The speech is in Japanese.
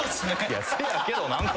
いやせやけど何か。